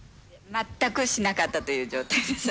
全くしなかったという状態です。